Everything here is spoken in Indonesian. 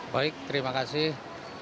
baik terima kasih